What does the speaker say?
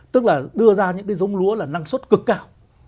tức là đưa ra những cái giống lúa là năng suất cực cao